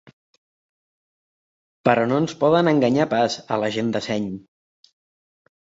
Però no ens poden enganyar pas, a la gent de seny.